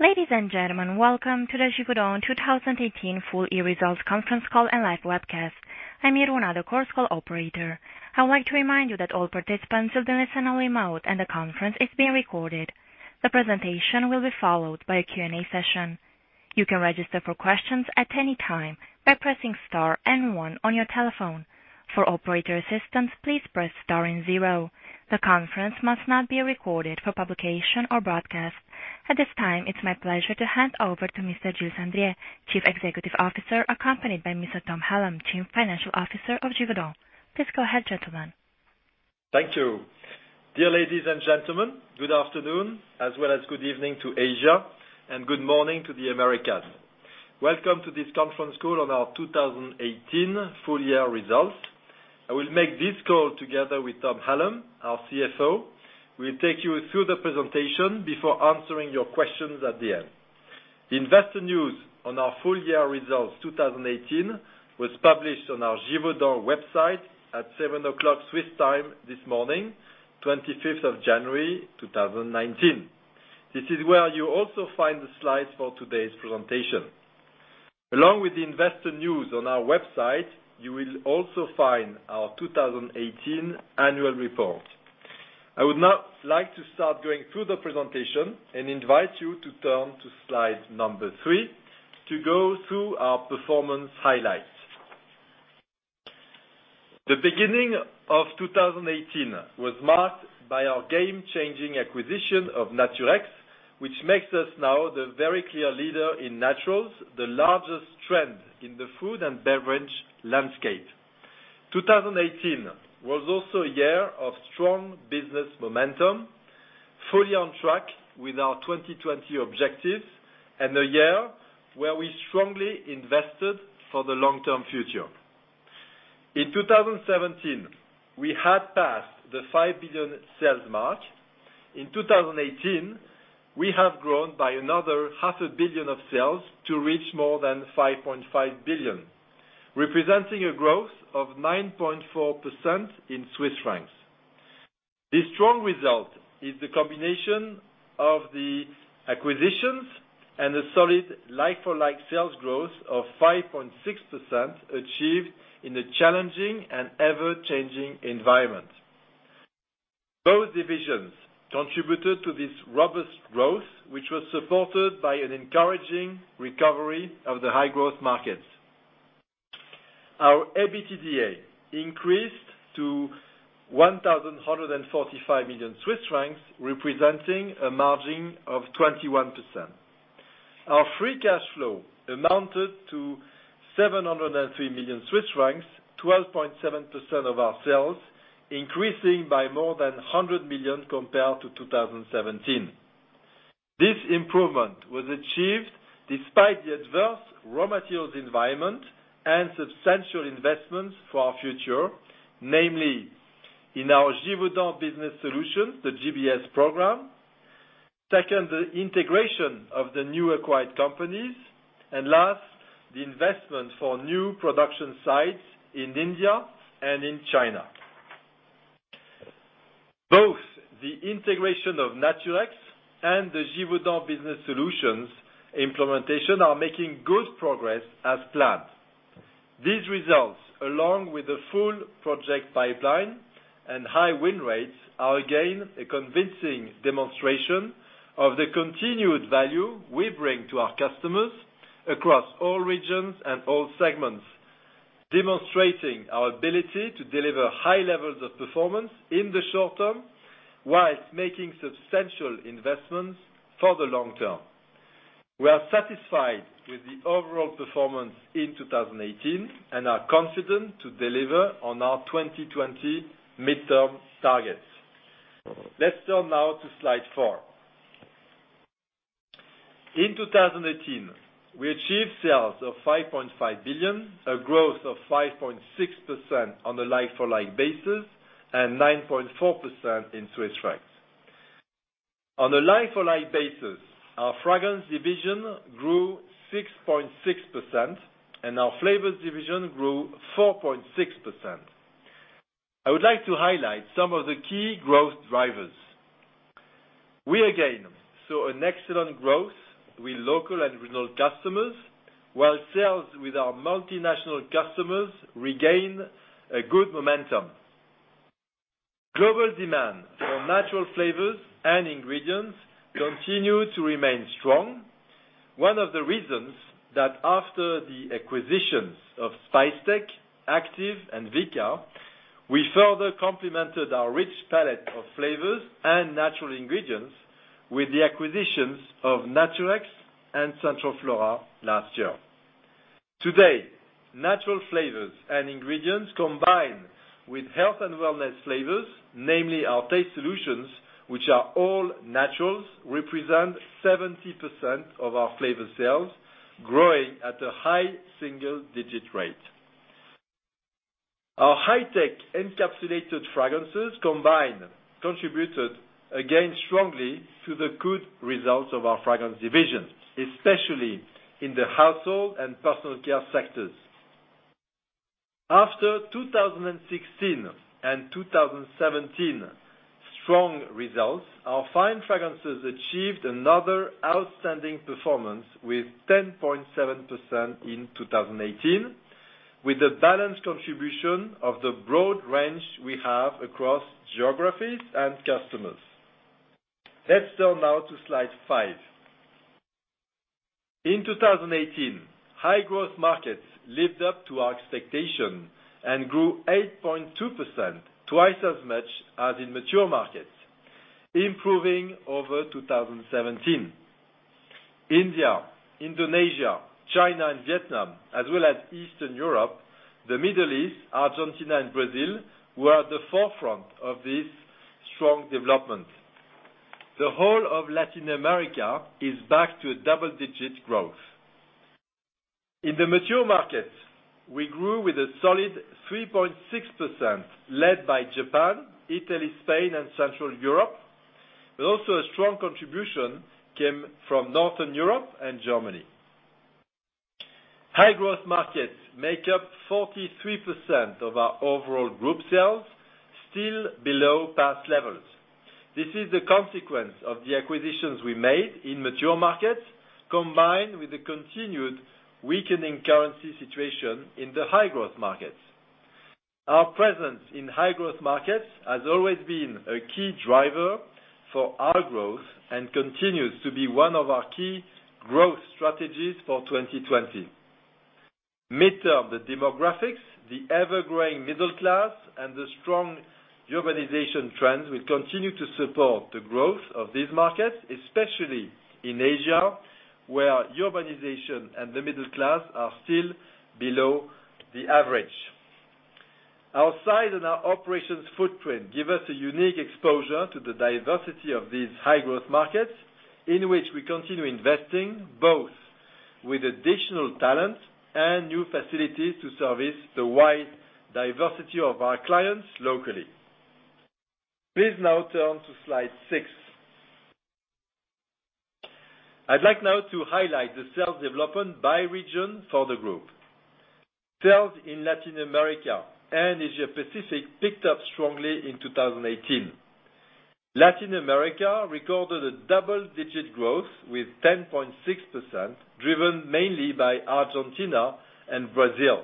Ladies and gentlemen, welcome to the Givaudan 2018 full-year results conference call and live webcast. I'm Irina, the Chorus Call operator. I would like to remind you that all participants will be listening remote, and the conference is being recorded. The presentation will be followed by a Q&A session. You can register for questions at any time by pressing star and one on your telephone. For operator assistance, please press star and zero. The conference must not be recorded for publication or broadcast. At this time, it's my pleasure to hand over to Mr. Gilles Andrier, Chief Executive Officer, accompanied by Mr. Tom Hallam, Chief Financial Officer of Givaudan. Please go ahead, gentlemen. Thank you. Dear ladies and gentlemen, good afternoon, as well as good evening to Asia and good morning to the Americas. Welcome to this conference call on our 2018 full-year results. I will make this call together with Tom Hallam, our CFO. We will take you through the presentation before answering your questions at the end. The investor news on our full-year results 2018 was published on our Givaudan website at 7:00 A.M. Swiss time this morning, 25th of January 2019. This is where you will also find the slides for today's presentation. Along with the investor news on our website, you will also find our 2018 annual report. I would now like to start going through the presentation and invite you to turn to slide number three to go through our performance highlights. The beginning of 2018 was marked by our game-changing acquisition of Naturex, which makes us now the very clear leader in naturals, the largest trend in the food and beverage landscape. 2018 was also a year of strong business momentum, fully on track with our 2020 objectives, and a year where we strongly invested for the long-term future. In 2017, we had passed the 5 billion sales mark. In 2018, we have grown by another half a billion of sales to reach more than 5.5 billion, representing a growth of 9.4%. This strong result is the combination of the acquisitions and the solid like-for-like sales growth of 5.6% achieved in a challenging and ever-changing environment. Both divisions contributed to this robust growth, which was supported by an encouraging recovery of the high-growth markets. Our EBITDA increased to 1,145 million Swiss francs, representing a margin of 21%. Our free cash flow amounted to 703 million Swiss francs, 12.7% of our sales, increasing by more than 100 million compared to 2017. This improvement was achieved despite the adverse raw materials environment and substantial investments for our future, namely in our Givaudan Business Solutions, the GBS program. Second, the integration of the new acquired companies. And last, the investment for new production sites in India and in China. Both the integration of Naturex and the Givaudan Business Solutions implementation are making good progress as planned. These results, along with the full project pipeline and high win rates, are again a convincing demonstration of the continued value we bring to our customers across all regions and all segments, demonstrating our ability to deliver high levels of performance in the short term whilst making substantial investments for the long term. We are satisfied with the overall performance in 2018 and are confident to deliver on our 2020 midterm targets. Let's turn now to slide four. In 2018, we achieved sales of 5.5 billion, a growth of 5.6% on a like-for-like basis and 9.4% in Swiss frans. On a like-for-like basis, our Fragrance Division grew 6.6%, and our Flavors Division grew 4.6%. I would like to highlight some of the key growth drivers. We again saw an excellent growth with local and regional customers, while sales with our multinational customers regain a good momentum. Global demand for natural flavors and ingredients continue to remain strong. One of the reasons that after the acquisitions of Spicetec, Activ, and Vika, we further complemented our rich palette of flavors and natural ingredients with the acquisitions of Naturex and Centroflora last year. Today, natural flavors and ingredients combined with health and wellness flavors, namely our taste solutions, which are all naturals, represent 70% of our Flavor sales, growing at a high single-digit rate. Our high-tech encapsulated fragrances combined contributed again strongly to the good results of our Fragrance Division, especially in the household and personal care sectors. After 2016 and 2017 strong results, our Fine Fragrances achieved another outstanding performance with 10.7% in 2018, with a balanced contribution of the broad range we have across geographies and customers. Let's turn now to slide five. In 2018, high growth markets lived up to our expectation and grew 8.2%, twice as much as in mature markets, improving over 2017. India, Indonesia, China, and Vietnam, as well as Eastern Europe, the Middle East, Argentina, and Brazil, were at the forefront of this strong development. The whole of Latin America is back to a double-digit growth. In the mature markets, we grew with a solid 3.6%, led by Japan, Italy, Spain, and Central Europe, but also a strong contribution came from Northern Europe and Germany. High growth markets make up 43% of our overall group sales, still below past levels. This is the consequence of the acquisitions we made in mature markets, combined with the continued weakening currency situation in the high-growth markets. Our presence in high-growth markets has always been a key driver for our growth and continues to be one of our key growth strategies for 2020. Midterm, the demographics, the ever-growing middle class, and the strong urbanization trends will continue to support the growth of these markets, especially in Asia, where urbanization and the middle class are still below the average. Our size and our operations footprint give us a unique exposure to the diversity of these high-growth markets, in which we continue investing both with additional talent and new facilities to service the wide diversity of our clients locally. Please now turn to slide six. I'd like now to highlight the sales development by region for the group. Sales in Latin America and Asia Pacific picked up strongly in 2018. Latin America recorded a double-digit growth with 10.6%, driven mainly by Argentina and Brazil.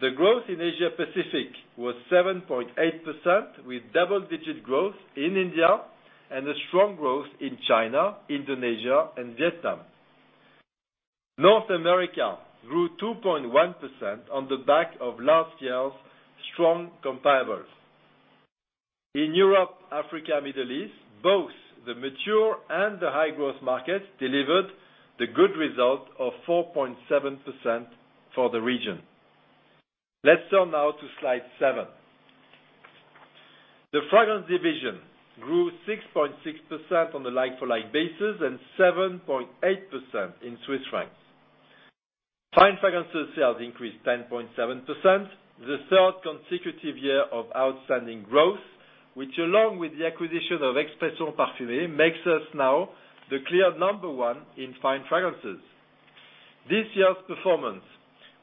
The growth in Asia Pacific was 7.8%, with double-digit growth in India and a strong growth in China, Indonesia, and Vietnam. North America grew 2.1% on the back of last year's strong comparables. In Europe, Africa, Middle East, both the mature and the high-growth markets delivered the good result of 4.7% for the region. Let's turn now to slide seven. The Fragrance Division grew 6.6% on a like-for-like basis and 7.8% in Swiss francs. Fine Fragrances sales increased 10.7%, the third consecutive year of outstanding growth, which along with the acquisition of Expressions Parfumées, makes us now the clear number one in Fine Fragrances. This year's performance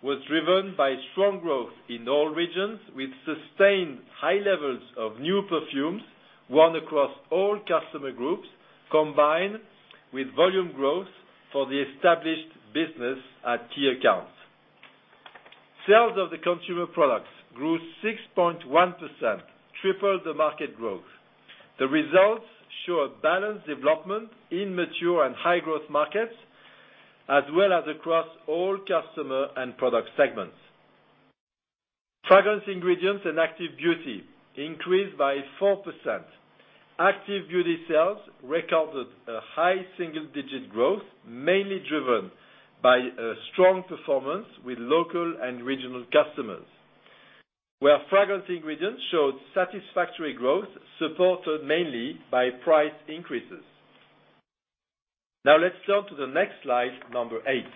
was driven by strong growth in all regions with sustained high levels of new perfumes, won across all customer groups, combined with volume growth for the established business at key accounts. Sales of the Consumer Products grew 6.1%, triple the market growth. The results show a balanced development in mature and high-growth markets, as well as across all customer and product segments. Fragrance Ingredients and Active Beauty increased by 4%. Active Beauty sales recorded a high single-digit growth, mainly driven by a strong performance with local and regional customers, where Fragrance Ingredients showed satisfactory growth, supported mainly by price increases. Let's turn to the next slide, number eight.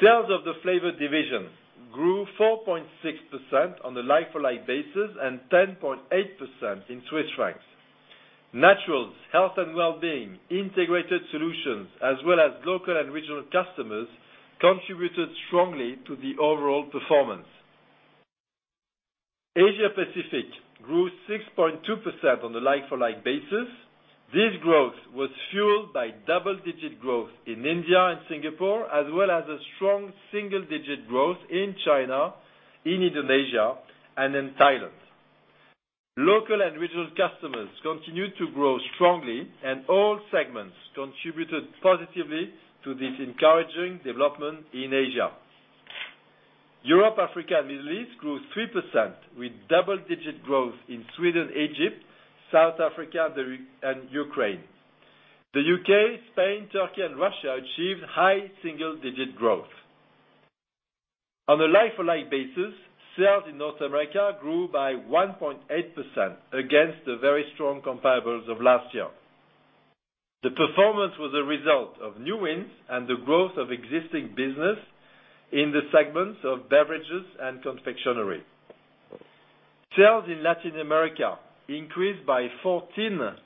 Sales of the Flavor Division grew 4.6% on a like-for-like basis and 10.8% in Swiss francs. Naturals, health and wellbeing, integrated solutions, as well as local and regional customers, contributed strongly to the overall performance. Asia Pacific grew 6.2% on a like-for-like basis. This growth was fueled by double-digit growth in India and Singapore, as well as a strong single-digit growth in China, in Indonesia, and in Thailand. Local and regional customers continued to grow strongly and all segments contributed positively to this encouraging development in Asia. Europe, Africa, and Middle East grew 3% with double-digit growth in Sweden, Egypt, South Africa, and Ukraine. The U.K., Spain, Turkey, and Russia achieved high single-digit growth. On a like-for-like basis, sales in North America grew by 1.8% against the very strong comparables of last year. The performance was a result of new wins and the growth of existing business in the segments of beverages and confectionery. Sales in Latin America increased by 14.7%.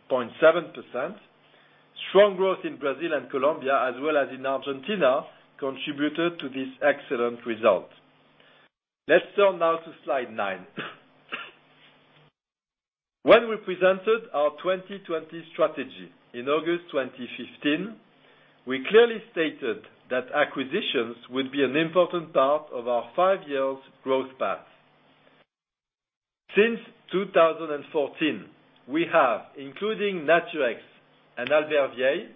Strong growth in Brazil and Colombia, as well as in Argentina, contributed to this excellent result. Let's turn now to slide nine. When we presented our 2020 strategy in August 2015, we clearly stated that acquisitions would be an important part of our five-year growth path. Since 2014, we have, including Naturex and Albert Vieille,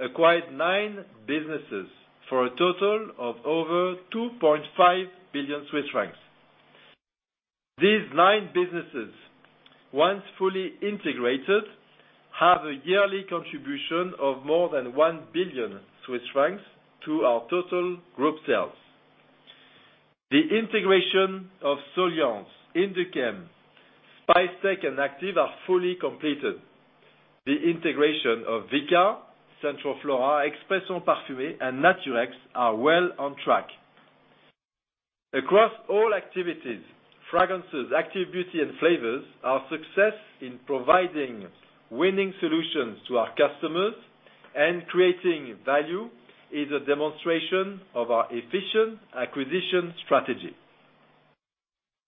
acquired nine businesses for a total of over 2.5 billion Swiss francs. These nine businesses, once fully integrated, have a yearly contribution of more than 1 billion Swiss francs to our total group sales. The integration of Soliance, Induchem, Spicetec, and Activ are fully completed. The integration of Vika, Centroflora, Expressions Parfumées, and Naturex are well on track. Across all activities, Fragrances, Active Beauty, and Flavors, our success in providing winning solutions to our customers and creating value is a demonstration of our efficient acquisition strategy.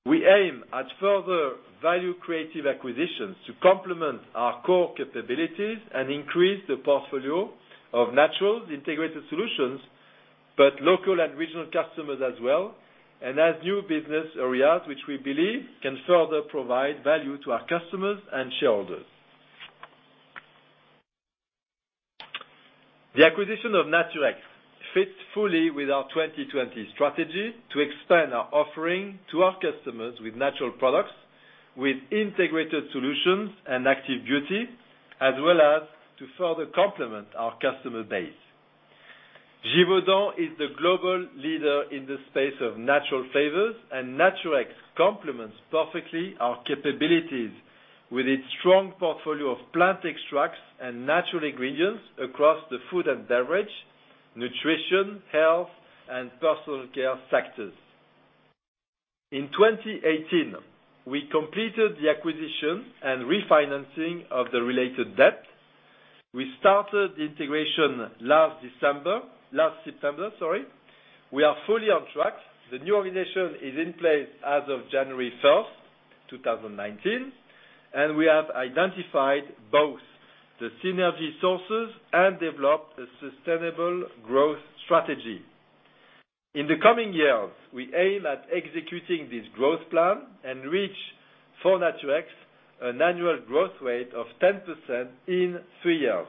We aim at further value-creative acquisitions to complement our core capabilities and increase the portfolio of naturals integrated solutions, but local and regional customers as well, and as new business areas, which we believe can further provide value to our customers and shareholders. The acquisition of Naturex fits fully with our 2020 strategy to expand our offering to our customers with natural products, with integrated solutions and Active Beauty, as well as to further complement our customer base. Givaudan is the global leader in the space of natural flavors, and Naturex complements perfectly our capabilities with its strong portfolio of plant extracts and natural ingredients across the food and beverage, nutrition, health, and personal care sectors. In 2018, we completed the acquisition and refinancing of the related debt. We started the integration last September. We are fully on track. The new organization is in place as of January 1st, 2019, and we have identified both the synergy sources and developed a sustainable growth strategy. In the coming years, we aim at executing this growth plan and reach, for Naturex, an annual growth rate of 10% in three years.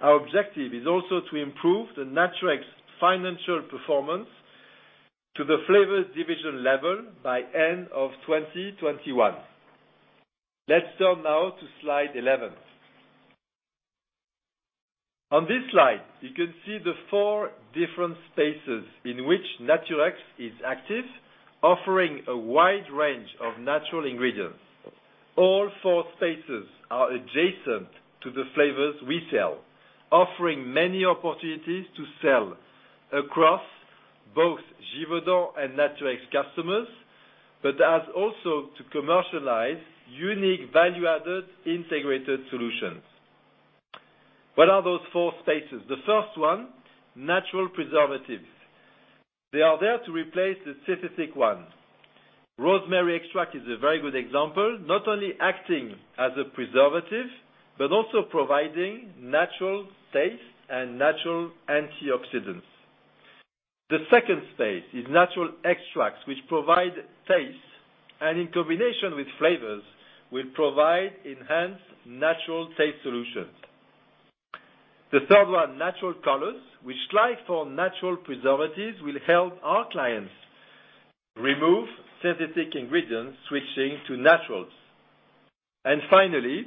Our objective is also to improve the Naturex financial performance to the Flavors Division level by end of 2021. Let's turn now to slide 11. On this slide, you can see the four different spaces in which Naturex is active, offering a wide range of natural ingredients. All four spaces are adjacent to the flavors we sell, offering many opportunities to sell across both Givaudan and Naturex customers, as also to commercialize unique value-added integrated solutions. What are those four spaces? The first one, natural preservatives. They are there to replace the synthetic one. Rosemary extract is a very good example, not only acting as a preservative, but also providing natural taste and natural antioxidants. The second space is natural extracts, which provide taste, and in combination with flavors, will provide enhanced natural taste solutions. The third one, natural colors, which like for natural preservatives, will help our clients remove synthetic ingredients, switching to naturals. Finally,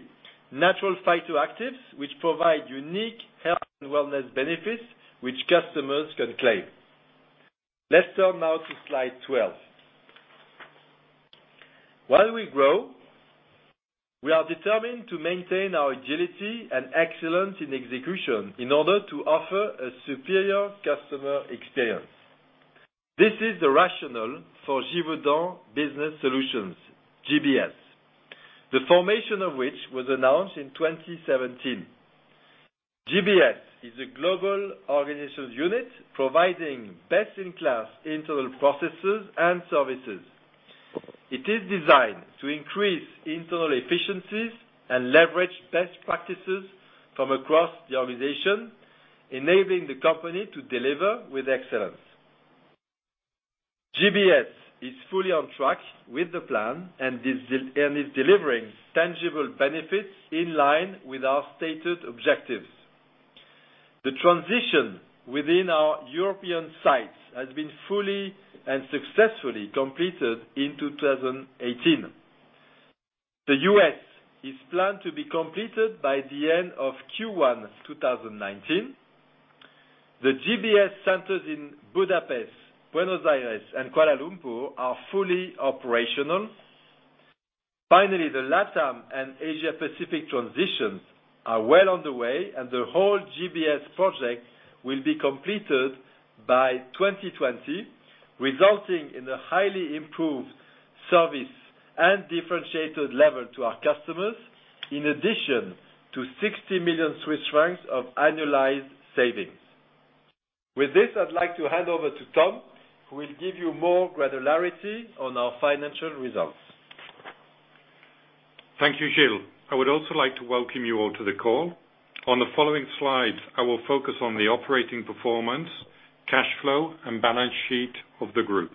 natural phytoactives, which provide unique health and wellness benefits, which customers can claim. Let's turn now to slide 12. While we grow, we are determined to maintain our agility and excellence in execution in order to offer a superior customer experience. This is the rationale for Givaudan Business Solutions, GBS, the formation of which was announced in 2017. GBS is a global organization unit providing best-in-class internal processes and services. It is designed to increase internal efficiencies and leverage best practices from across the organization, enabling the company to deliver with excellence. GBS is fully on track with the plan and is delivering tangible benefits in line with our stated objectives. The transition within our European sites has been fully and successfully completed in 2018. The U.S. is planned to be completed by the end of Q1 2019. The GBS centers in Budapest, Buenos Aires, and Kuala Lumpur are fully operational. Finally, the LatAm and Asia Pacific transitions are well on the way, and the whole GBS project will be completed by 2020, resulting in a highly improved service and differentiated level to our customers, in addition to 60 million Swiss francs of annualized savings. With this, I'd like to hand over to Tom, who will give you more granularity on our financial results. Thank you, Gilles. I would also like to welcome you all to the call. On the following slides, I will focus on the operating performance, cash flow, and balance sheet of the group.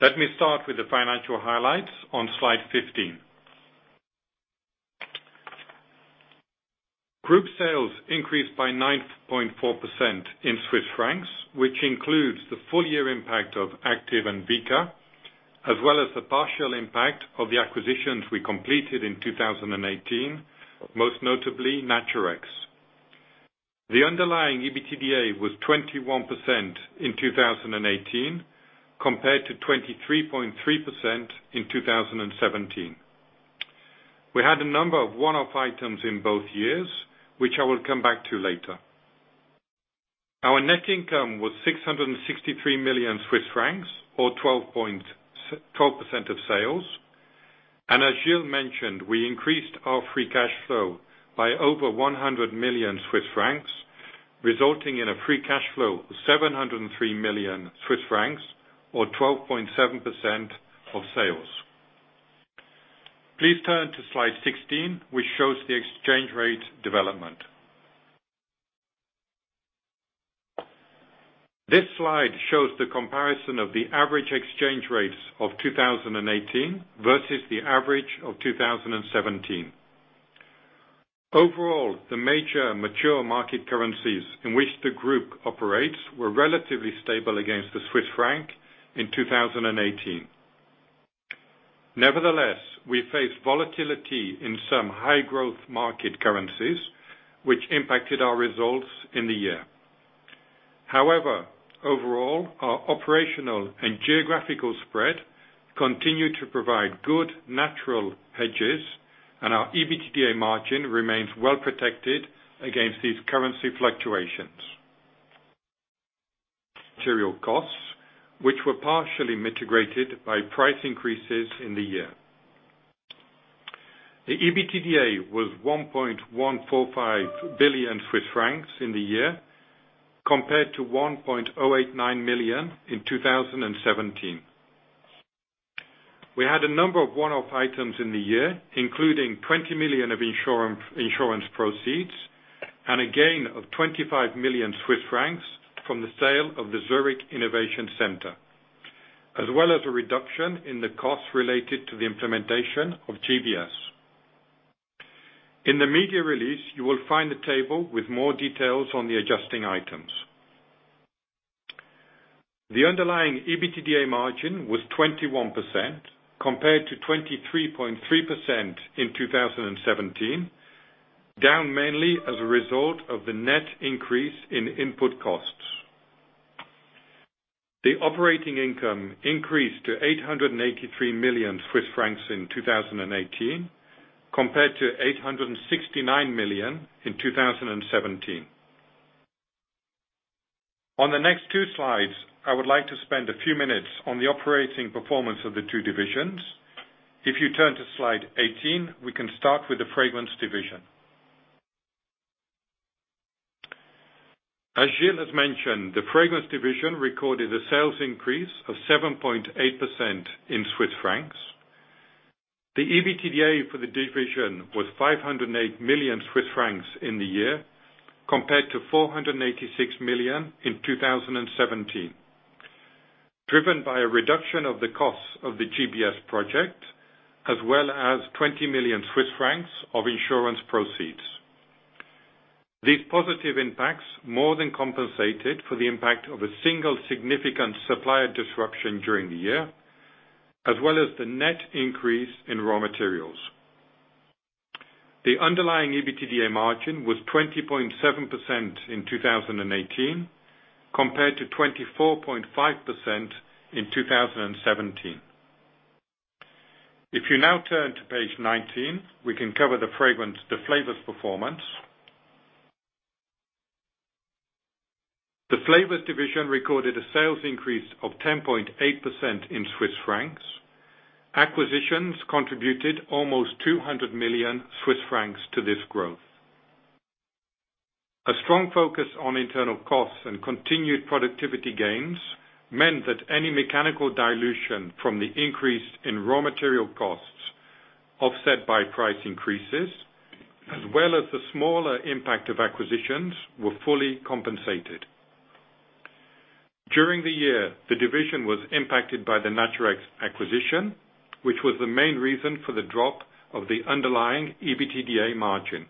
Let me start with the financial highlights on slide 15. Group sales increased by 9.4% in Swiss francs, which includes the full year impact of Activ and Vika, as well as the partial impact of the acquisitions we completed in 2018, most notably Naturex. The underlying EBITDA was 21% in 2018 compared to 23.3% in 2017. We had a number of one-off items in both years, which I will come back to later. Our net income was 663 million Swiss francs or 12% of sales. As Gilles mentioned, we increased our free cash flow by over 100 million Swiss francs, resulting in a free cash flow of 703 million Swiss francs, or 12.7% of sales. Please turn to slide 16, which shows the exchange rate development. This slide shows the comparison of the average exchange rates of 2018 versus the average of 2017. Overall, the major mature market currencies in which the group operates were relatively stable against the Swiss franc in 2018. Nevertheless, we faced volatility in some high-growth market currencies, which impacted our results in the year. However, overall, our operational and geographical spread continued to provide good natural hedges, and our EBITDA margin remains well protected against these currency fluctuations. Material costs, which were partially mitigated by price increases in the year. The EBITDA was 1.145 billion Swiss francs in the year, compared to 1.089 billion in 2017. We had a number of one-off items in the year, including 20 million of insurance proceeds, and a gain of 25 million Swiss francs from the sale of the Zurich Innovation Centre, as well as a reduction in the cost related to the implementation of GBS. In the media release, you will find a table with more details on the adjusting items. The underlying EBITDA margin was 21%, compared to 23.3% in 2017, down mainly as a result of the net increase in input costs. The operating income increased to 883 million Swiss francs in 2018, compared to 869 million in 2017. On the next two slides, I would like to spend a few minutes on the operating performance of the two divisions. If you turn to slide 18, we can start with the Fragrance Division. As Gilles has mentioned, the Fragrance Division recorded a sales increase of 7.8% in Swiss francs. The EBITDA for the division was 508 million Swiss francs in the year, compared to 486 million in 2017, driven by a reduction of the costs of the GBS project as well as 20 million Swiss francs of insurance proceeds. These positive impacts more than compensated for the impact of a single significant supplier disruption during the year, as well as the net increase in raw materials. The underlying EBITDA margin was 20.7% in 2018 compared to 24.5% in 2017. If you now turn to page 19, we can cover the Flavors performance. The Flavors Division recorded a sales increase of 10.8% in CHF. Acquisitions contributed almost 200 million Swiss francs to this growth. A strong focus on internal costs and continued productivity gains meant that any mechanical dilution from the increase in raw material costs offset by price increases, as well as the smaller impact of acquisitions, were fully compensated. During the year, the division was impacted by the Naturex acquisition, which was the main reason for the drop of the underlying EBITDA margin.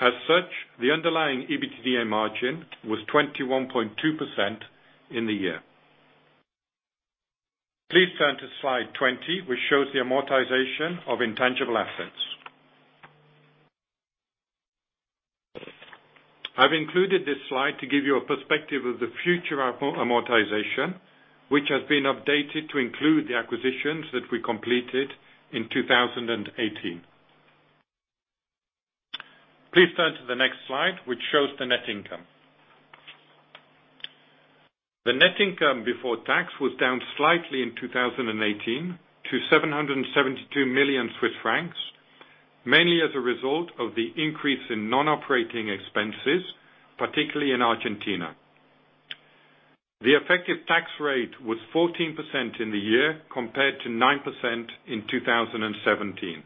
As such, the underlying EBITDA margin was 21.2% in the year. Please turn to slide 20, which shows the amortization of intangible assets. I've included this slide to give you a perspective of the future amortization, which has been updated to include the acquisitions that we completed in 2018. Please turn to the next slide, which shows the net income. The net income before tax was down slightly in 2018 to 772 million Swiss francs, mainly as a result of the increase in non-operating expenses, particularly in Argentina. The effective tax rate was 14% in the year compared to 9% in 2017.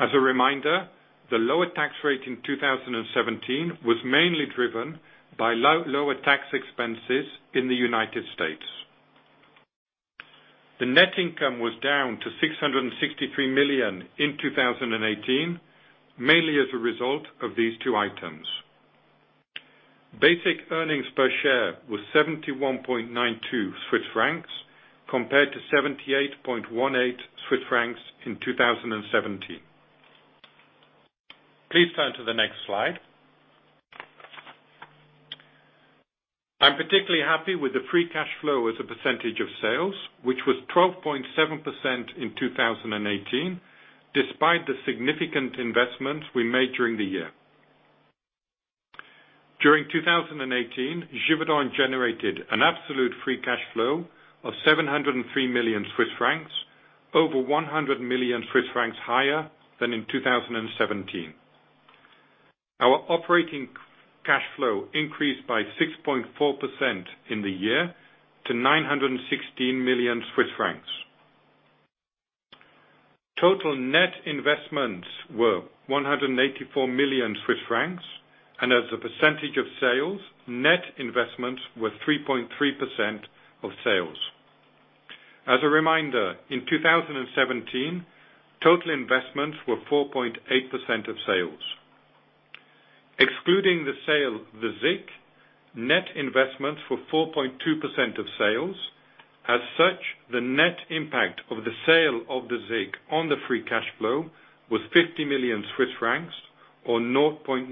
As a reminder, the lower tax rate in 2017 was mainly driven by lower tax expenses in the United States. The net income was down to 663 million in 2018, mainly as a result of these two items. Basic earnings per share was 71.92 Swiss francs compared to 78.18 Swiss francs in 2017. Please turn to the next slide. I'm particularly happy with the free cash flow as a percentage of sales, which was 12.7% in 2018, despite the significant investments we made during the year. During 2018, Givaudan generated an absolute free cash flow of 703 million Swiss francs, over 100 million Swiss francs higher than in 2017. Our operating cash flow increased by 6.4% in the year to 916 million Swiss francs. Total net investments were 184 million Swiss francs, and as a percentage of sales, net investments were 3.3% of sales. As a reminder, in 2017, total investments were 4.8% of sales. Excluding the sale, the ZIC net investments were 4.2% of sales. As such, the net impact of the sale of the ZIC on the free cash flow was 50 million Swiss francs or 0.9%.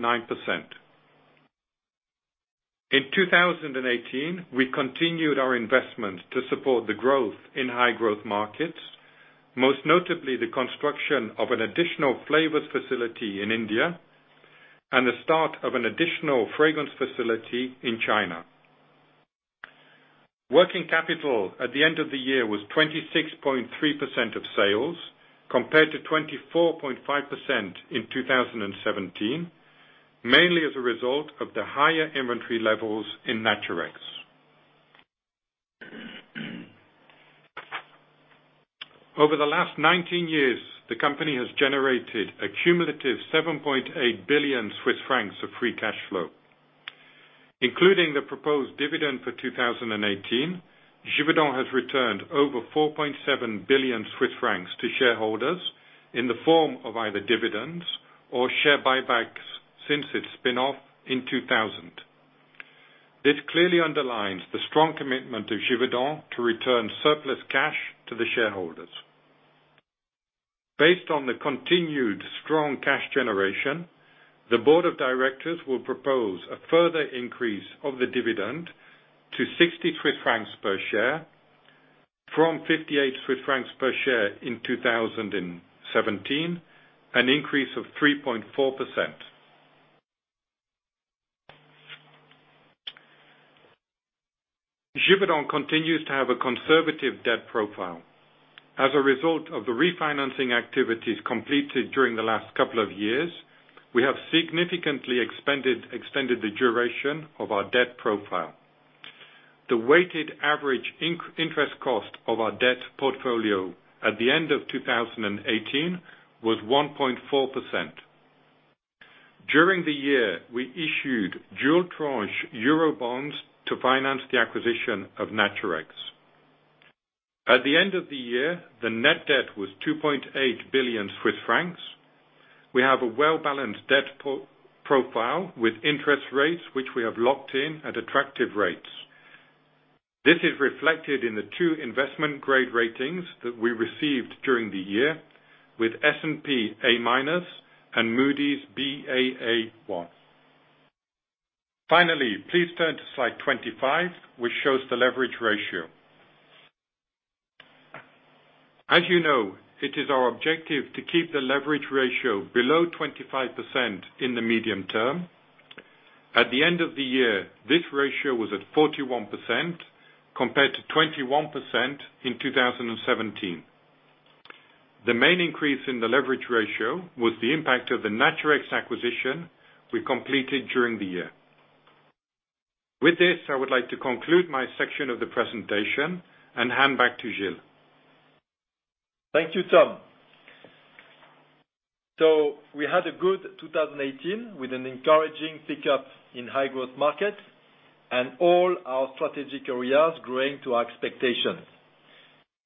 In 2018, we continued our investment to support the growth in high growth markets, most notably the construction of an additional Flavors facility in India and the start of an additional Fragrance facility in China. Working capital at the end of the year was 26.3% of sales, compared to 24.5% in 2017, mainly as a result of the higher inventory levels in Naturex. Over the last 19 years, the company has generated a cumulative 7.8 billion Swiss francs of free cash flow. Including the proposed dividend for 2018, Givaudan has returned over 4.7 billion Swiss francs to shareholders in the form of either dividends or share buybacks since its spin-off in 2000. This clearly underlines the strong commitment of Givaudan to return surplus cash to the shareholders. Based on the continued strong cash generation, the Board of Directors will propose a further increase of the dividend to 60 francs/share from 58 francs/share in 2017, an increase of 3.4%. Givaudan continues to have a conservative debt profile. As a result of the refinancing activities completed during the last couple of years, we have significantly extended the duration of our debt profile. The weighted average interest cost of our debt portfolio at the end of 2018 was 1.4%. During the year, we issued dual tranche euro bonds to finance the acquisition of Naturex. At the end of the year, the net debt was 2.8 billion Swiss francs. We have a well-balanced debt profile with interest rates, which we have locked in at attractive rates. This is reflected in the two investment grade ratings that we received during the year, with S&P A- and Moody's Baa1. Finally, please turn to slide 25, which shows the leverage ratio. As you know, it is our objective to keep the leverage ratio below 25% in the medium term. At the end of the year, this ratio was at 41% compared to 21% in 2017. The main increase in the leverage ratio was the impact of the Naturex acquisition we completed during the year. With this, I would like to conclude my section of the presentation and hand back to Gilles. Thank you, Tom. We had a good 2018 with an encouraging pickup in high growth markets and all our strategic areas growing to our expectations.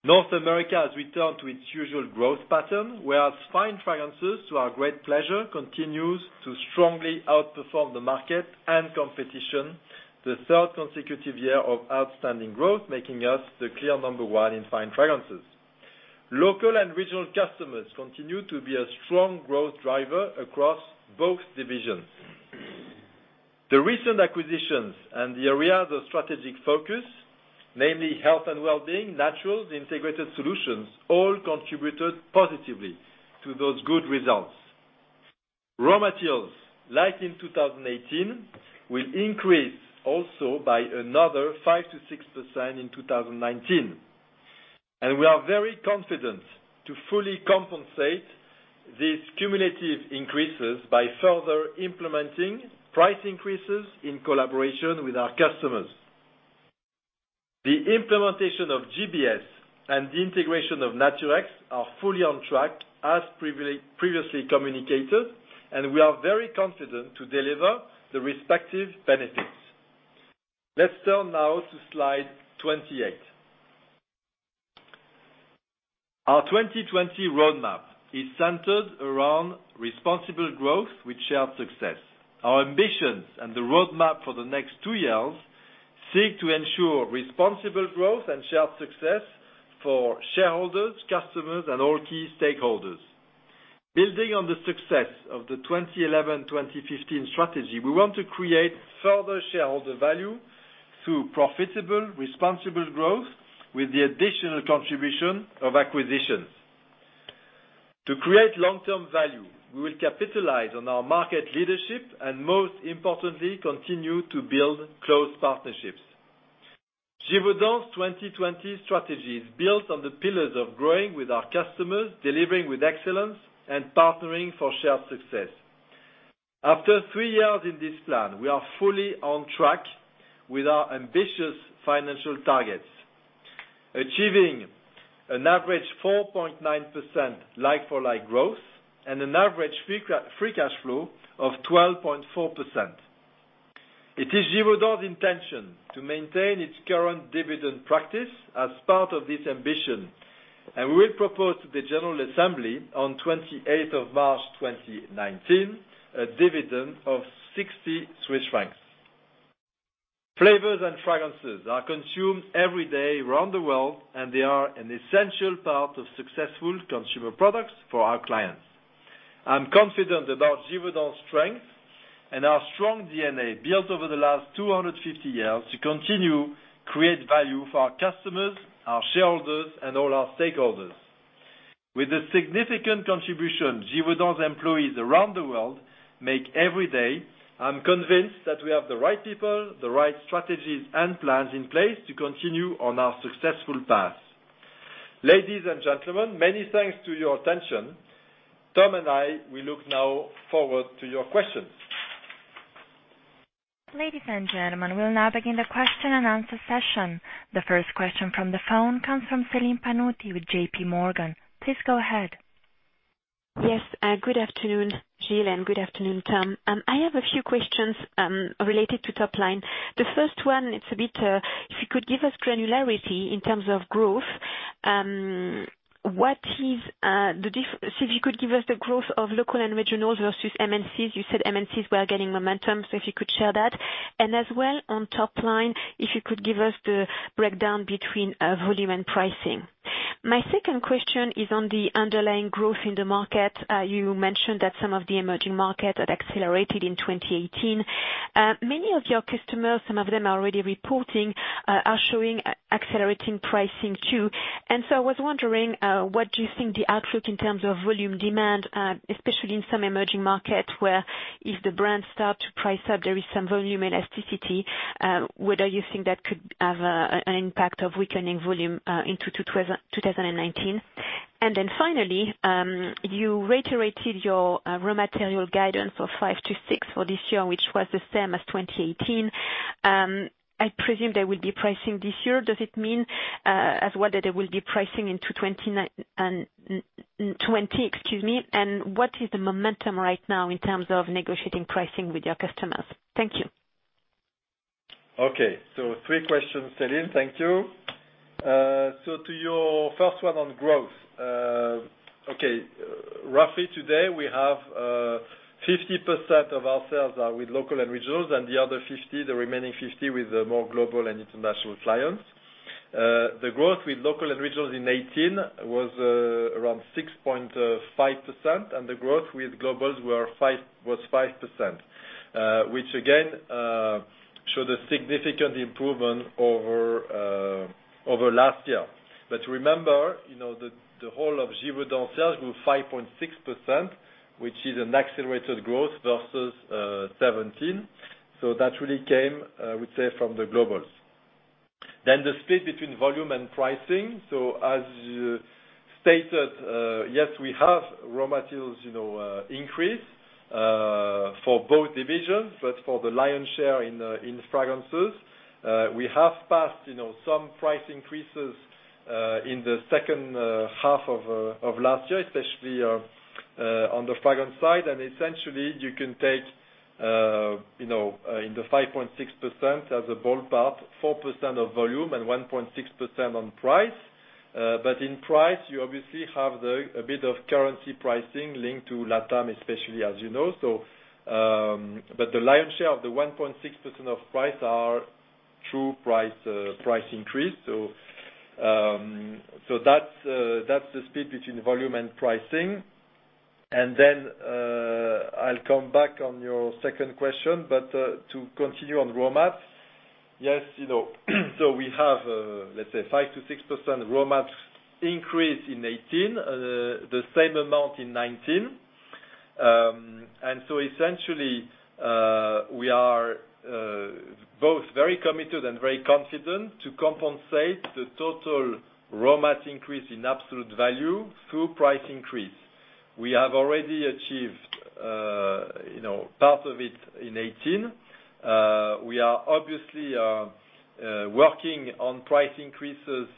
North America has returned to its usual growth pattern, whereas Fine Fragrances, to our great pleasure, continues to strongly outperform the market and competition, the third consecutive year of outstanding growth, making us the clear number one in Fine Fragrances. Local and regional customers continue to be a strong growth driver across both divisions. The recent acquisitions and the areas of strategic focus, namely health and wellbeing, naturals, integrated solutions, all contributed positively to those good results. Raw materials, like in 2018, will increase also by another 5%-6% in 2019. And we are very confident to fully compensate these cumulative increases by further implementing price increases in collaboration with our customers. The implementation of GBS and the integration of Naturex are fully on track as previously communicated, and we are very confident to deliver the respective benefits. Let's turn now to slide 28. Our 2020 roadmap is centered around responsible growth with shared success. Our ambitions and the roadmap for the next two years seek to ensure responsible growth and shared success for shareholders, customers, and all key stakeholders. Building on the success of the 2011-2015 strategy, we want to create further shareholder value through profitable, responsible growth with the additional contribution of acquisitions. To create long-term value, we will capitalize on our market leadership and most importantly, continue to build close partnerships. Givaudan's 2020 strategy is built on the pillars of growing with our customers, delivering with excellence, and partnering for shared success. After three years in this plan, we are fully on track with our ambitious financial targets. Achieving an average 4.9% like-for-like growth, and an average free cash flow of 12.4%. It is Givaudan's intention to maintain its current dividend practice as part of this ambition, and we will propose to the general assembly on 28th of March 2019 a dividend of 60 Swiss francs. Flavors and fragrances are consumed every day around the world, and they are an essential part of successful consumer products for our clients. I'm confident about Givaudan's strength and our strong DNA built over the last 250 years to continue create value for our customers, our shareholders, and all our stakeholders. With the significant contribution Givaudan's employees around the world make every day, I'm convinced that we have the right people, the right strategies, and plans in place to continue on our successful path. Ladies and gentlemen, many thanks to your attention. Tom and I, we look now forward to your questions. Ladies and gentlemen, we'll now begin the question-and-answer session. The first question from the phone comes from Celine Pannuti with JPMorgan. Please go ahead. Yes. Good afternoon, Gilles, and good afternoon, Tom. I have a few questions related to top line. The first one, if you could give us granularity in terms of growth. If you could give us the growth of local and regionals versus MNCs. You said MNCs were getting momentum, so if you could share that. As well, on top line, if you could give us the breakdown between volume and pricing. My second question is on the underlying growth in the market. You mentioned that some of the emerging markets had accelerated in 2018. Many of your customers, some of them are already reporting, are showing accelerating pricing, too. I was wondering what you think the outlook in terms of volume demand, especially in some emerging markets where if the brand start to price up there is some volume elasticity, whether you think that could have an impact of weakening volume into 2019. Finally, you reiterated your raw material guidance for 5%-6% for this year, which was the same as 2018. I presume they will be pricing this year. Does it mean as well that they will be pricing into 2020? What is the momentum right now in terms of negotiating pricing with your customers? Thank you. Okay. Three questions, Celine. Thank you. To your first one on growth. Roughly today, we have 50% of our sales are with local and regionals, and the other 50%, the remaining 50% with more global and international clients. The growth with local and regionals in 2018 was around 6.5%, and the growth with globals was 5%, which again showed a significant improvement over last year. Remember, the whole of Givaudan sales grew 5.6%, which is an accelerated growth versus 2017. That really came, I would say, from the globals. The split between volume and pricing. As stated, yes, we have raw materials increase for both divisions, but for the lion's share in Fragrances. We have passed some price increases in the second half of last year, especially on the Fragrance side. Essentially you can take in the 5.6% as a ballpark, 4% of volume and 1.6% on price. In price, you obviously have a bit of currency pricing linked to LatAm especially, as you know. The lion's share of the 1.6% of price are true price increase. That's the split between volume and pricing. Then I'll come back on your second question, but to continue on raw mats. Yes, we have, let's say 5%-6% raw mats increase in 2018, the same amount in 2019. Essentially we are both very committed and very confident to compensate the total raw mat increase in absolute value through price increase. We have already achieved part of it in 2018. We are obviously working on price increases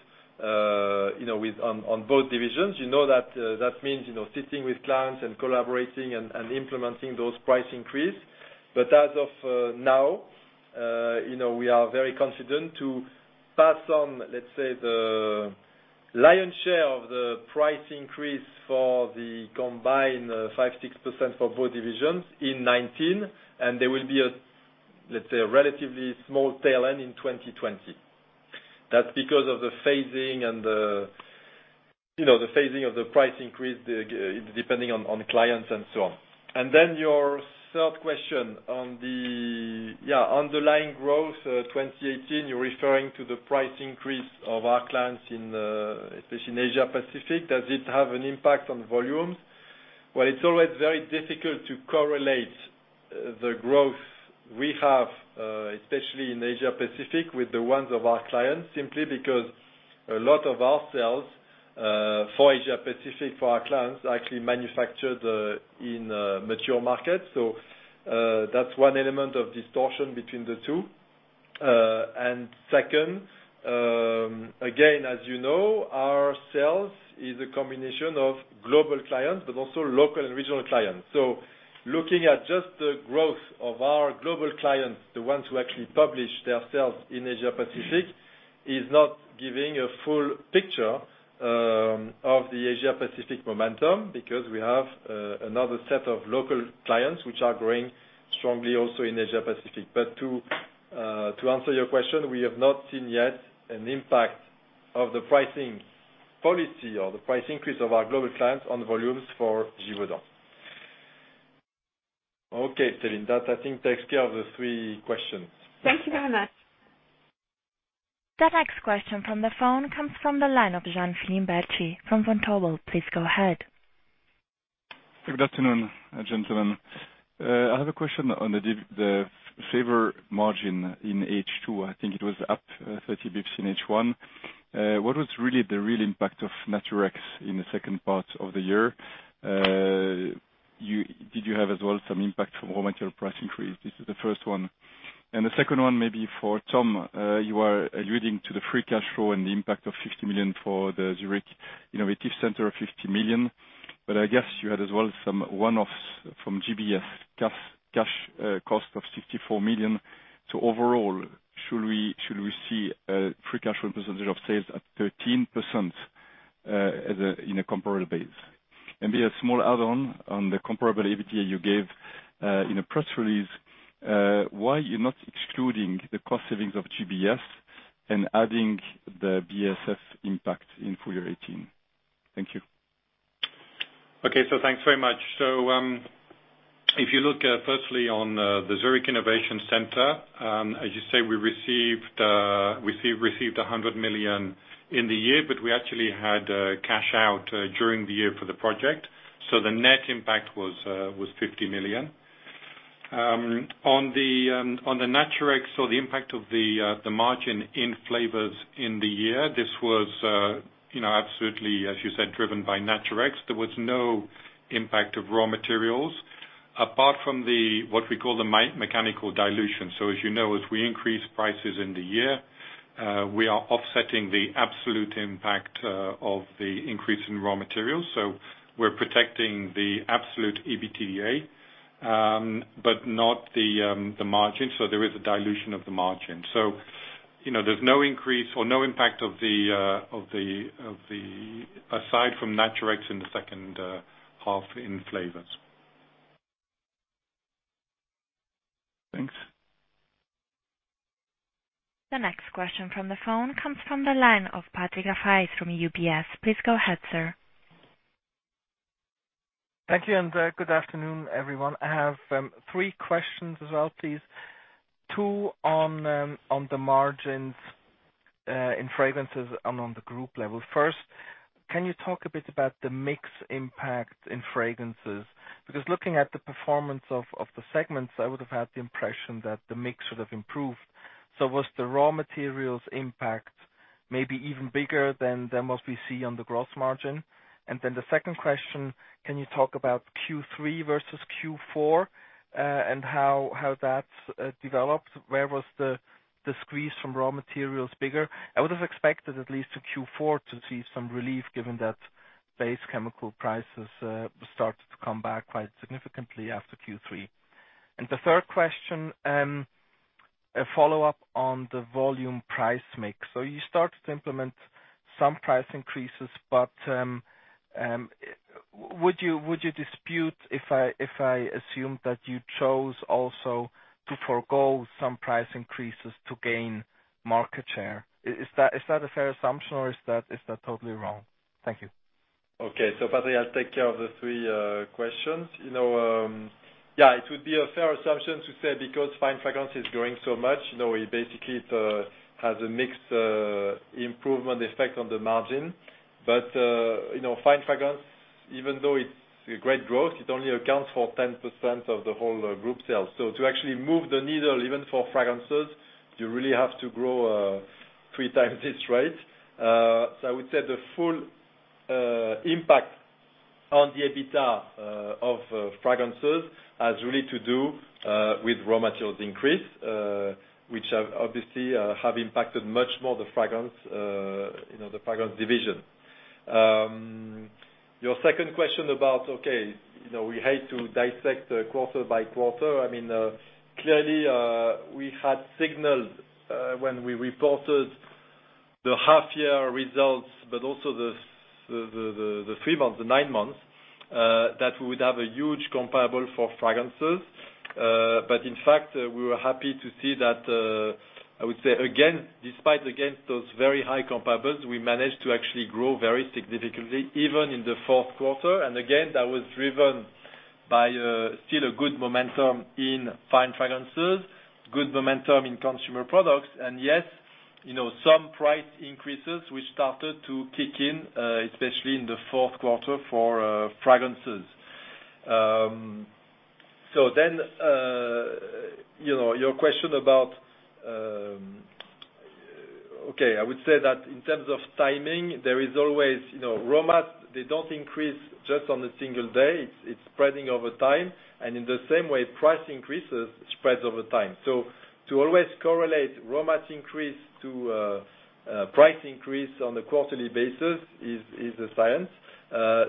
on both divisions. You know that means sitting with clients and collaborating and implementing those price increase. As of now we are very confident to pass on, let's say, the lion's share of the price increase for the combined 5%-6% for both divisions in 2019. There will be, let's say, a relatively small tail end in 2020. That's because of the phasing of the price increase, depending on the clients and so on. Then your third question on the underlying growth 2018. You're referring to the price increase of our clients especially in Asia Pacific. Does it have an impact on volumes? Well, it's always very difficult to correlate the growth we have, especially in Asia Pacific, with the ones of our clients, simply because a lot of our sales for Asia Pacific, for our clients, are actually manufactured in mature markets. That's one element of distortion between the two. Second, again, as you know, our sales is a combination of global clients but also local and regional clients. Looking at just the growth of our global clients, the ones who actually publish their sales in Asia Pacific, is not giving a full picture of the Asia Pacific momentum because we have another set of local clients which are growing strongly also in Asia Pacific. To answer your question, we have not seen yet an impact of the pricing policy or the price increase of our global clients on volumes for Givaudan. Okay, Celine, that I think takes care of the three questions. Thank you very much. The next question from the phone comes from the line of Jean-Philippe Bertschy from Vontobel. Please go ahead. Good afternoon, gentlemen. I have a question on the Flavor margin in H2. I think it was up 30 basis points in H1. What was really the real impact of Naturex in the second part of the year? Did you have as well some impact from raw material price increase? This is the first one. The second one may be for Tom. You are alluding to the free cash flow and the impact of 50 million for the Zurich Innovation Centre, 50 million. I guess you had as well some one-offs from GBS cash cost of 64 million. Overall, should we see a free cash flow percentage of sales at 13% in a comparable base? A small add-on on the comparable EBITDA you gave in a press release, why are you not excluding the cost savings of GBS and adding the GBS impact in full year 2018? Thank you. Okay. Thanks very much. If you look firstly on the Zurich Innovation Centre, as you say, we received 100 million in the year, we actually had cash out during the year for the project. The net impact was 50 million. On the Naturex, the impact of the margin in Flavors in the year, this was absolutely, as you said, driven by Naturex. There was no impact of raw materials apart from what we call the mechanical dilution. As you know, as we increase prices in the year, we are offsetting the absolute impact of the increase in raw materials. We're protecting the absolute EBITDA, not the margin. There is a dilution of the margin. There's no increase or no impact aside from Naturex in the second half in Flavors. Thanks. The next question from the phone comes from the line of Patrick Rafaisz from UBS. Please go ahead, sir. Thank you, and good afternoon, everyone. I have three questions as well, please. Two on the margins in Fragrances and on the group level. First, can you talk a bit about the mix impact in Fragrances? Looking at the performance of the segments, I would have had the impression that the mix should have improved. Was the raw materials impact maybe even bigger than what we see on the gross margin? The second question, can you talk about Q3 versus Q4 and how that's developed? Where was the squeeze from raw materials bigger? I would have expected at least to Q4 to see some relief given that base chemical prices started to come back quite significantly after Q3. The third question, a follow-up on the volume price mix. You started to implement some price increases, would you dispute if I assumed that you chose also to forgo some price increases to gain market share? Is that a fair assumption, or is that totally wrong? Thank you. Okay. Patrick, I'll take care of the three questions. It would be a fair assumption to say Fine Fragrances is growing so much, basically it has a mixed improvement effect on the margin. Fine Fragrances, even though it's a great growth, it only accounts for 10% of the whole group sales. To actually move the needle, even for Fragrances, you really have to grow 3x this rate. I would say the full impact on the EBITDA of Fragrances has really to do with raw materials increase, which obviously have impacted much more the Fragrance Division. Your second question about, okay, we hate to dissect quarter by quarter. Clearly, we had signaled when we reported the half year results, also the three months, the nine months, that we would have a huge comparable for Fragrances. In fact, we were happy to see that, I would say, again, despite against those very high comparables, we managed to actually grow very significantly, even in the fourth quarter. Again, that was driven by still a good momentum in Fine Fragrances, good momentum in Consumer Products, and yes, some price increases which started to kick in, especially in the fourth quarter for Fragrances. Your question about, okay, I would say that in terms of timing, there is always, raw mat, they don't increase just on a single day. It's spreading over time. In the same way, price increases spread over time. To always correlate raw mat increase to price increase on a quarterly basis is a science.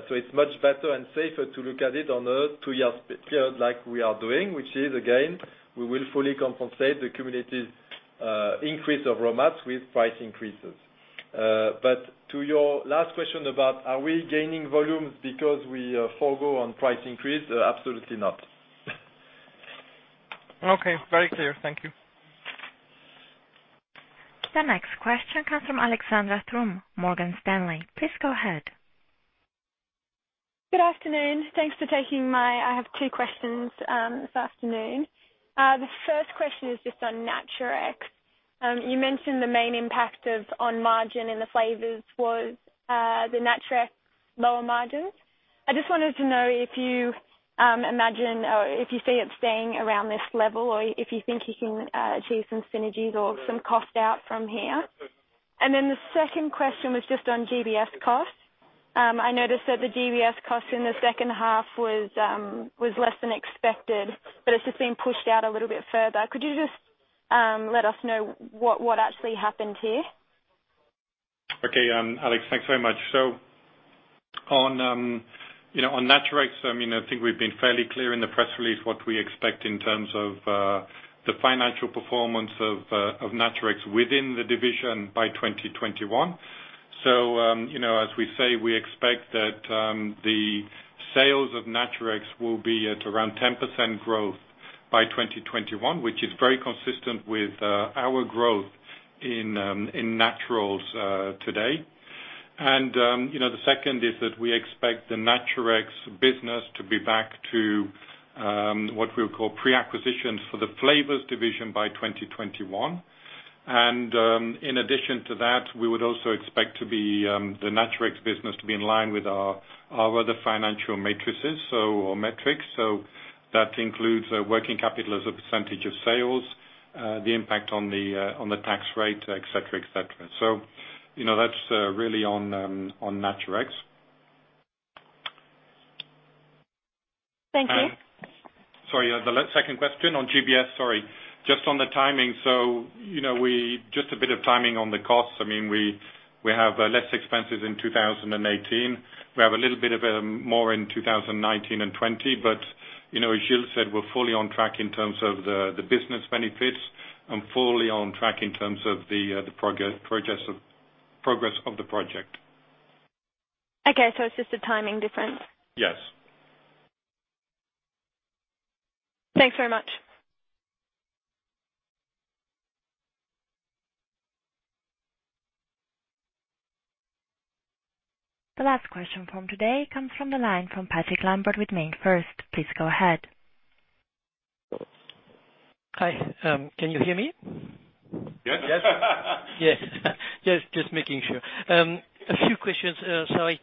It's much better and safer to look at it on a two-year period like we are doing, which is, again, we will fully compensate the cumulative increase of raw mats with price increases. To your last question about are we gaining volumes because we forgo on price increase? Absolutely not. Okay. Very clear. Thank you. The next question comes from Alexandra Straton, Morgan Stanley. Please go ahead. Good afternoon. Thanks for taking. I have two questions this afternoon. The first question is just on Naturex. You mentioned the main impact on margin in the Flavors was the Naturex lower margins. I just wanted to know if you imagine or if you see it staying around this level, or if you think you can achieve some synergies or some cost out from here. The second question was just on GBS cost. I noticed that the GBS cost in the second half was less than expected, it's just been pushed out a little bit further. Could you just let us know what actually happened here? Okay, Alex, thanks very much. On Naturex, I think we've been fairly clear in the press release what we expect in terms of the financial performance of Naturex within the division by 2021. As we say, we expect that the sales of Naturex will be at around 10% growth by 2021, which is very consistent with our growth in naturals today. The second is that we expect the Naturex business to be back to what we'll call pre-acquisitions for the Flavors Division by 2021. In addition to that, we would also expect the Naturex business to be in line with our other financial matrices or metrics. That includes working capital as a percentage of sales, the impact on the tax rate, et cetera. That's really on Naturex. Thank you. Sorry, the second question on GBS. Sorry. Just on the timing. Just a bit of timing on the costs. We have less expenses in 2018. We have a little bit of more in 2019 and 2020. As Gilles said, we're fully on track in terms of the business benefits and fully on track in terms of the progress of the project. Okay. It's just a timing difference? Yes. Thanks very much. The last question from today comes from the line from Patrick Lambert with MainFirst. Please go ahead. Hi, can you hear me? Yes. Yes. Just making sure. A few questions. Sorry.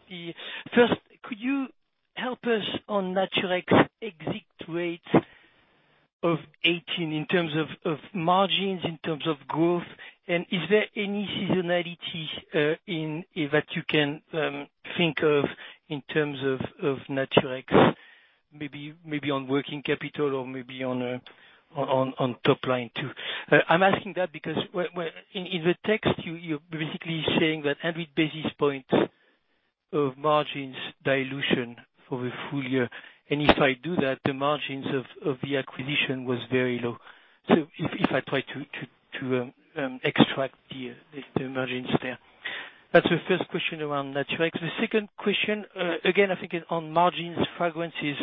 First, could you help us on Naturex exit rates of 2018 in terms of margins, in terms of growth, and is there any seasonality that you can think of in terms of Naturex, maybe on working capital or maybe on top line, too? I'm asking that because in the text, you're basically saying that every basis point of margin dilution for the full year. If I do that, the margin of the acquisition was very low. So if I try to extract the margin there. That's the first question around Naturex. The second question, again, I think on margins, Fragrances,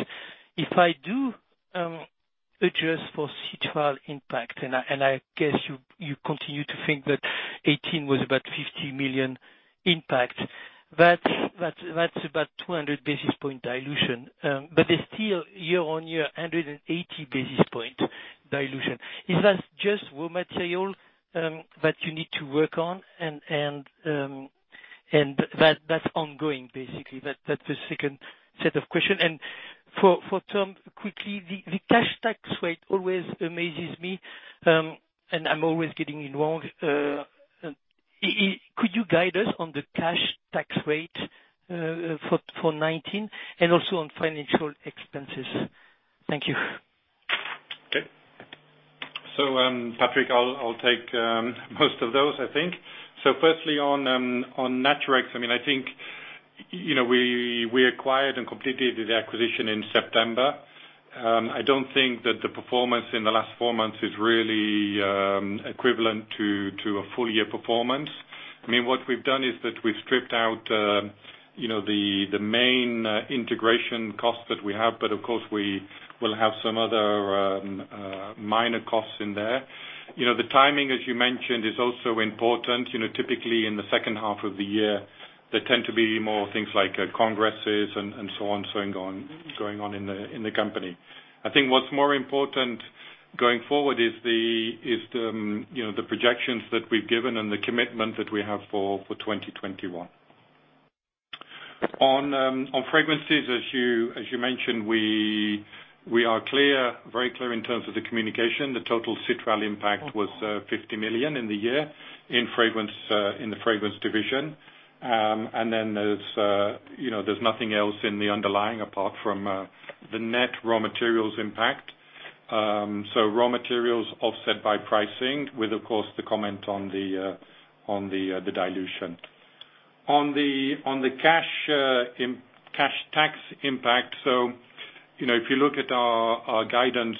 if I do adjust for citral impact, and I guess you continue to think that 2018 was about 50 million impact, that's about 200 basis points dilution. There's still year-on-year 180 basis points dilution. Is that just raw material that you need to work on, and that's ongoing, basically? That's the second set of questions. For Tom, quickly, the cash tax rate always amazes me, and I'm always getting involved. Could you guide us on the cash tax rate for 2019 and also on financial expenses? Thank you. Patrick, I'll take most of those, I think. Firstly, on Naturex, I think we acquired and completed the acquisition in September. I don't think that the performance in the last four months is really equivalent to a full year performance. What we've done is that we've stripped out the main integration costs that we have, but of course, we'll have some other minor costs in there. The timing, as you mentioned, is also important. Typically in the second half of the year, there tend to be more things like congresses and so on going on in the company. I think what's more important going forward is the projections that we've given and the commitment that we have for 2021. On Fragrances, as you mentioned, we are very clear in terms of the communication. The total citral impact was 50 million in the year in the Fragrance Division. There's nothing else in the underlying apart from the net raw materials impact. Raw materials offset by pricing with, of course, the comment on the dilution. On the cash tax impact, if you look at our guidance,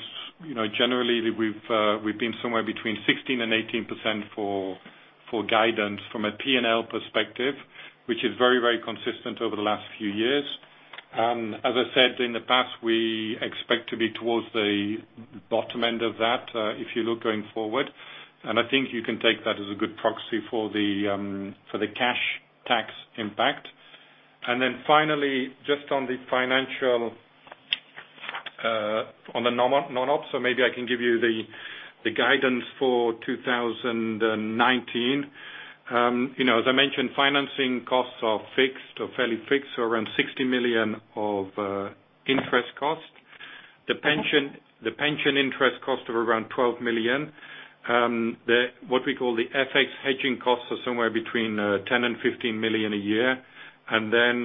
generally we've been somewhere between 16%-18% for guidance from a P&L perspective, which is very consistent over the last few years. As I said, in the past, we expect to be towards the bottom end of that if you look going forward. I think you can take that as a good proxy for the cash tax impact. Finally, just on the financial, on the non-ops, maybe I can give you the guidance for 2019. As I mentioned, financing costs are fixed or fairly fixed, around 60 million of interest cost. The pension interest cost of around 12 million. What we call the FX hedging costs are somewhere between 10 million and 15 million a year. 15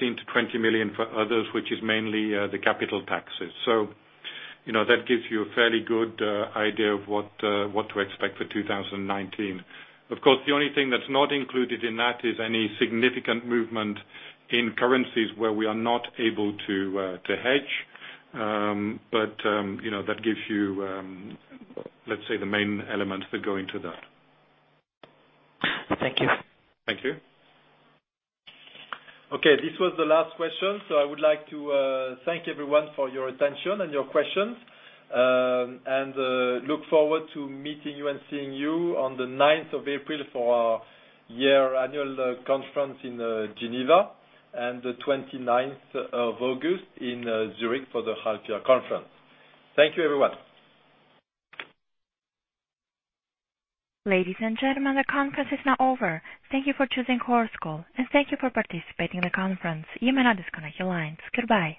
million-20 million for others, which is mainly the capital taxes. That gives you a fairly good idea of what to expect for 2019. Of course, the only thing that's not included in that is any significant movement in currencies where we are not able to hedge. That gives you, let's say, the main elements that go into that. Thank you. Thank you. This was the last question. I would like to thank everyone for your attention and your questions. Look forward to meeting you and seeing you on the 9th of April for our annual conference in Geneva and the 29th of August in Zurich for the half year conference. Thank you, everyone. Ladies and gentlemen, the conference is now over. Thank you for choosing Chorus Call, and thank you for participating in the conference. You may now disconnect your lines. Goodbye.